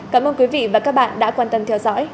cảm ơn quý vị và các bạn đã quan tâm theo dõi